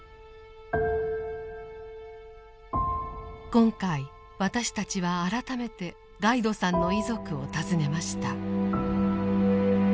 今回私たちは改めてガイドさんの遺族を訪ねました。